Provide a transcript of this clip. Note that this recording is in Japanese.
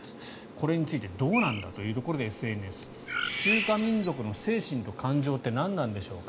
これについてどうなんだというところでＳＮＳ中華民族の精神と感情って何なんでしょうか。